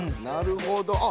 なるほど。